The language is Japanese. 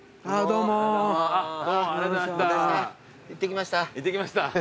行ってきました。